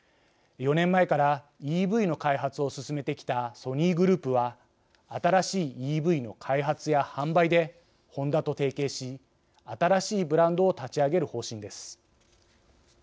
４年前からＥＶの開発を進めてきたソニーグループは新しいＥＶの開発や販売でホンダと提携し新しいブランドを立ち上げる方針です。